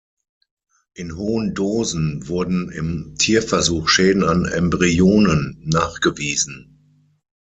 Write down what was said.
In hohen Dosen wurden im Tierversuch Schäden an Embryonen nachgewiesen.